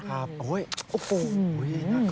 โอ้โฮน่ากลัว